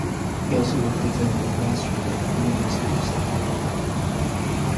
He also worked as an administrator at the University of Southern California.